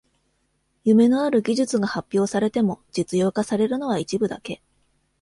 夢のある技術が発表されても実用化されるのは一部だけ